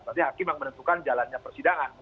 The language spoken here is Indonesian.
berarti hakim yang menentukan jalannya persidangan